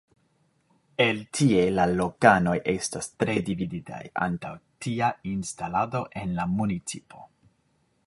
El tie la lokanoj estas tre dividitaj antaŭ tia instalado en la municipo.